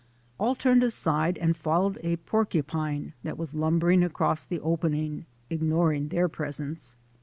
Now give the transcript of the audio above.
All turned aside and followed a porcupine that was lumbering across the opening, ignoring their presence.